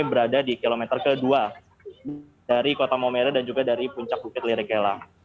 berada di kilometer kedua dari kota momere dan juga dari puncak bukit lirikelang